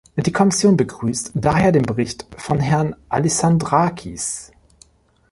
Die Kommission begrüßt daher den Bericht von Herrn Alyssandrakis.